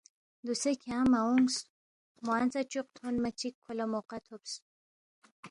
دوسے کھیانگ مہ اونگس، موانگ ژا چوق تھونما چِک کھو لہ موقع تھوبس